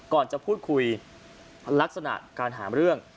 ก่อนพูดคุยรักษณะหาเรื่อง